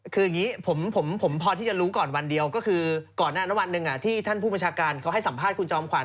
คืออย่างนี้ผมพอที่จะรู้ก่อนวันเดียวก็คือก่อนหน้านั้นวันหนึ่งที่ท่านผู้บัญชาการเขาให้สัมภาษณ์คุณจอมขวั